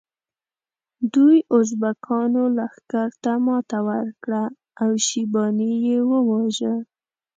دوی ازبکانو لښکر ته ماته ورکړه او شیباني یې وواژه.